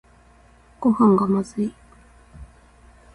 ごはんがまずい